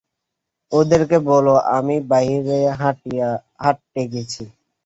ওদেরকে বলো আমি বাইরে হাঁটতে গেছি।